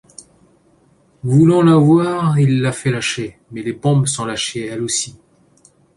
Voulant l'avoir, il la fait lâcher, mais les bombes sont lâchées elles aussi.